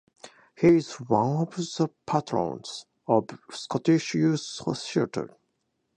He is one of the patrons of Scottish Youth Theatre.